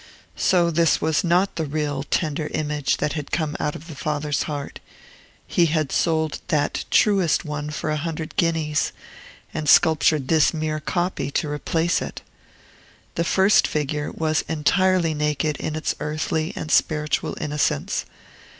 So this was not the real, tender image that came out of the father's heart; he had sold that truest one for a hundred guineas, and sculptured this mere copy to replace it. The first figure was entirely naked in its earthly and spiritual innocence.